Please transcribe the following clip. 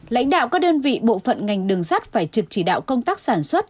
lãnh đạo các đơn vị bộ phận ngành đường sắt phải trực chỉ đạo công tác sản xuất